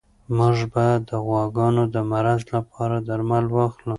موږ به د غواګانو د مرض لپاره درمل واخلو.